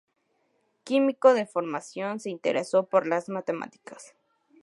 Químico de formación, se interesó por las matemáticas.